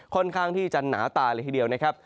ค่อนข้างที่จะหนาตาเลยทีเดียวนะครับ